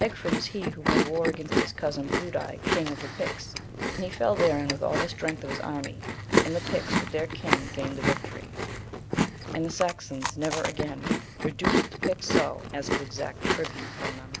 Egfrid is he who made war against his cousin Brudei, king of the Picts, and he fell therein with all the strength of his army, and the Picts with their king gained the victory; and the Saxons never again reduced the Picts so as to exact tribute from them.